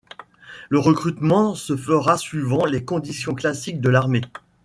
Le recrutement se fera suivant les conditions classiques de l'armée.